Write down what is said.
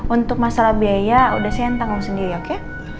untuk masalah biaya udah sih yang tanggung sendiri oke